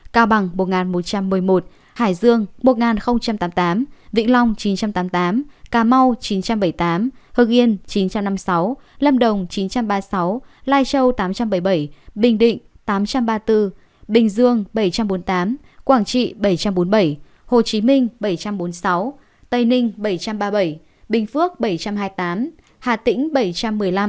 cao bằng một một trăm một mươi một hải dương một tám mươi tám vĩnh long chín tám mươi tám cà mau chín bảy mươi tám hương yên chín năm mươi sáu lâm đồng chín ba mươi sáu lai châu tám bảy mươi bảy bình định tám ba mươi bốn bình dương bảy bốn mươi tám quảng trị bảy bốn mươi bảy hồ chí minh bảy bốn mươi sáu tây ninh bảy ba mươi bảy bình phước bảy hai mươi tám hà tĩnh bảy một mươi năm